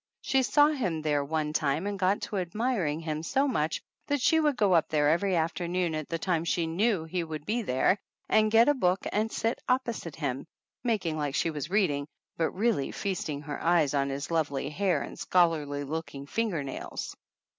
She saw him there one time and got to admiring him so much that she would go up there every afternoon at the time she knew he would be there and get a book and sit opposite him, making like she was reading, but really feasting her eyes on his lovely hair and scholar ly looking finger nails.